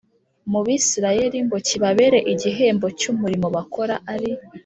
mu Bisirayeli ngo kibabere igihembo cy umurimo bakora ari